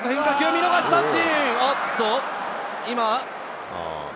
見逃し三振。